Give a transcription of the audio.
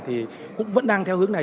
thì cũng vẫn đang theo hướng này